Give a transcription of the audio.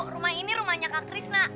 rumah ini rumahnya kak krisna